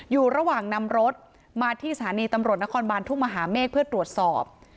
อยู่ระหว่างนำรถมาที่สถานีตำรวจนครบานทุ่งมหาเมฆเพื่อตรวจสอบ